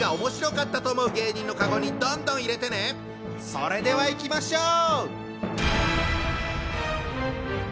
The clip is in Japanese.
それではいきましょう！